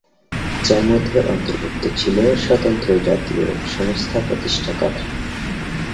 যার মধ্যে অন্তর্ভুক্ত ছিল স্বতন্ত্র জাতীয় সংস্থা প্রতিষ্ঠা করা।